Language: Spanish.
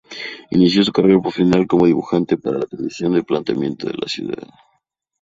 Inició su carrera profesional como dibujante para la Comisión de Planeamiento de la ciudad.